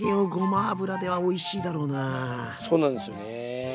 そうなんですよね。